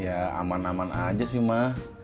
ya aman aman aja sih mah